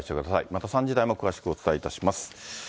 また３時台も詳しくお伝えいたします。